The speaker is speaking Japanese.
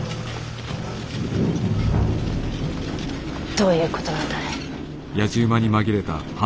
どういうことなんだい？